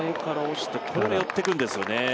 これが寄っていくんですよね。